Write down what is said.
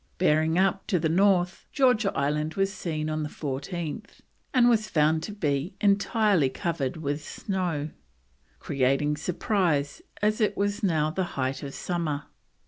Bearing up to the north, Georgia Island was seen on the 14th, and was found to be entirely covered with snow, creating surprise as it was now the height of summer.